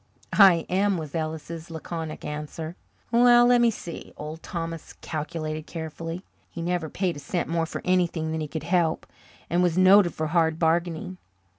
"I am," was Ellis's laconic answer. "Well, lemme see." Old Thomas calculated carefully. He never paid a cent more for anything than he could help, and was noted for hard bargaining.